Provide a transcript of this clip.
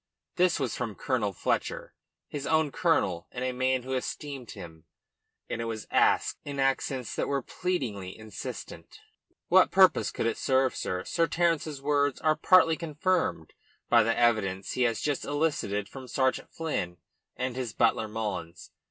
This was from Colonel Fletcher his own colonel and a man who esteemed him and it was asked in accents that were pleadingly insistent. "What purpose could it serve, sir? Sir Terence's words are partly confirmed by the evidence he has just elicited from Sergeant Flynn and his butler Mullins.